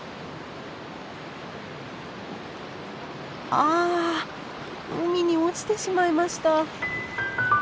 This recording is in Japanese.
あ海に落ちてしまいました。